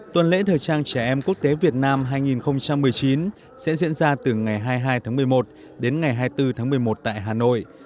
tuần lễ thời trang trẻ em quốc tế việt nam hai nghìn một mươi chín sẽ diễn ra từ ngày hai mươi hai tháng một mươi một đến ngày hai mươi bốn tháng một mươi một tại hà nội